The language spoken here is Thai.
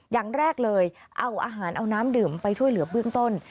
อย่างแรกเลยเอาอาหารเอาน้ำดื่มไปช่วยเหลือเบื้องต้น